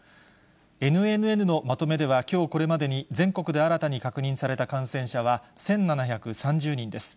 ＮＮＮのまとめではきょうこれまでに、全国で新たに確認された感染者は１７３０人です。